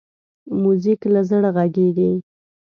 موزیک له زړه غږېږي.